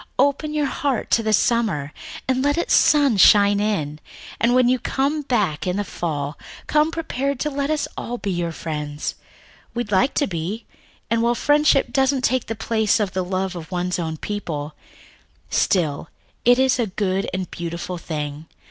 Open your heart to the summer, and let its sunshine in, and when you come back in the fall, come prepared to let us all be your friends. We'd like to be, and while friendship doesn't take the place of the love of one's own people, still it is a good and beautiful thing.